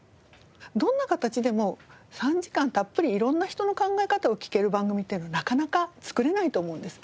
どんな形でも３時間たっぷり色んな人の考え方を聞ける番組っていうのはなかなか作れないと思うんです。